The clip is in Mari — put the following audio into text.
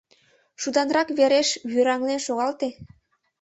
Шуданрак вереш вӱраҥлен шогалте!